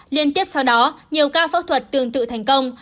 liên tiếp sau đó nhiều ca phẫu thuật tương tự thành công